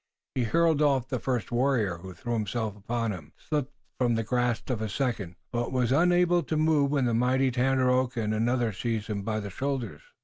He hurled off the first warrior who threw himself upon him, slipped from the grasp of a second, but was unable to move when the mighty Tandakora and another seized him by the shoulders.